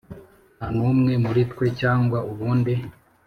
nta n'umwe muri twecyangwa ubundi